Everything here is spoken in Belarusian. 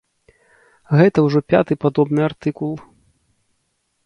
Гэта ўжо пяты падобны артыкул.